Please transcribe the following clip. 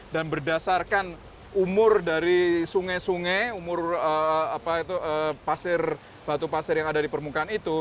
dan berdasarkan umur dari sungai sungai umur batu pasir yang ada di permukaan itu